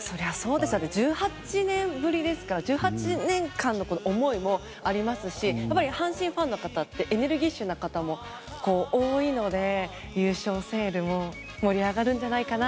だって１８年ぶりですから１８年間の思いもありますし阪神ファンの方ってエネルギッシュな方も多いので優勝セールも盛り上がるんじゃないかな。